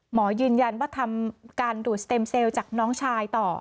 หมอยืนยันว่าทำการดูดสเต็มเซลล์จากน้องชายต่อ